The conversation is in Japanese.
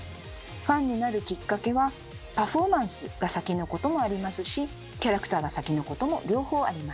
ファンになるきっかけはパフォーマンスが先のこともありますしキャラクターが先のことも両方あります。